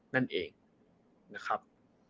นั่นเองนะครับ